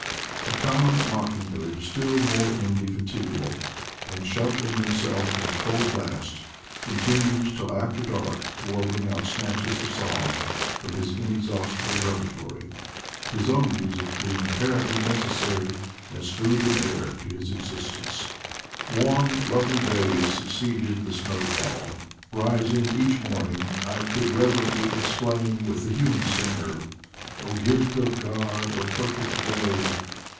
The common mocking bird is still more indefatigable, and sheltering himself from the cold blast continues till after dark warbling out snatches of song from his inexhaustible repertory; his own music being apparently necessary as food and air to his exist ence. Warm lovely days succeeded the snowfall. Eis ing each morning I could reverently exclaim with the human singer, O gift of God! O perfect day!